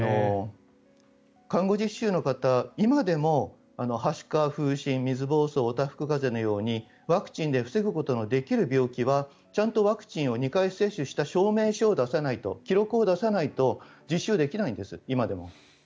看護実習の方今でも、はしか、風疹水ぼうそうおたふく風邪のようにワクチンで防ぐことのできる病気はちゃんとワクチンを２回接種した証明書を出さないと記録を出さないと今でも実習できないんです。